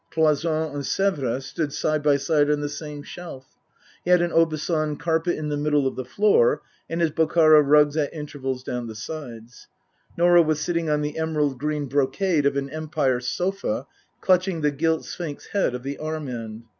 Cloi sonne and Sevres stood side by side on the same shelf. He had an Aubusson carpet in the middle of the floor, and his Bokhara rugs at intervals down the sides. Norah was sitting on the emerald green brocade of an Empire sofa, clutching the gilt sphinx head of the arm end.